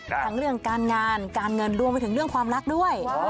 ทั้งเรื่องการงานการเงินรวมไปถึงเรื่องความรักด้วย